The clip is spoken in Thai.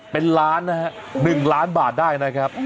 เป็นล้านนะฮะ๑ล้านบาทได้นะครับ